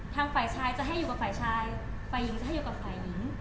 ฝ่ายชายจะให้อยู่กับฝ่ายชายฝ่ายหญิงจะให้อยู่กับฝ่ายหญิง